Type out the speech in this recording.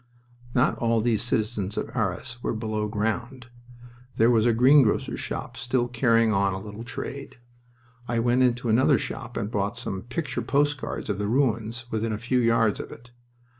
Not all these citizens of Arras were below ground. There was a greengrocer's shop still carrying on a little trade. I went into another shop and bought some picture post cards of the ruins within a few yards of it.